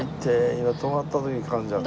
今止まった時にかんじゃった。